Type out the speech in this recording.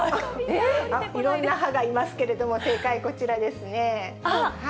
いろんな派がいますけど、正解、こちらですね。